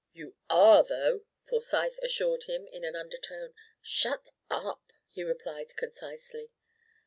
"You are, though," Forsyth assured him in an undertone. "Shut up!" he replied concisely.